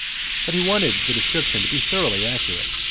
But he wanted the description to be thoroughly accurate.